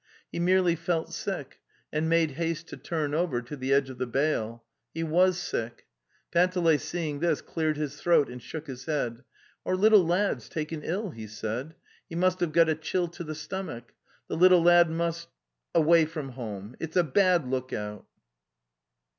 He merely felt sick, and made haste to turn over to the edge of the bale. He was sick. Panteley, seeing this, cleared his throat and shook his head. 'Our little lad's taken ill," he said. .'' He must have got a chill to the stomach. 'The little lad must . away from home; it's a bad lookout!"